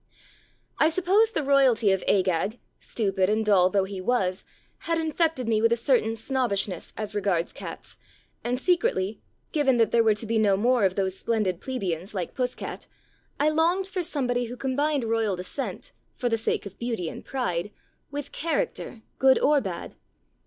I suppose the royalty of Agag, stupid and dull though he was, had infected me with a certain snobbishness as regards cats, and secretly — given that there were to be no more of those splendid plebeians, like Puss cat — I longed for somebody who combined royal descent (for the sake of beauty and pride) with character, good or bad.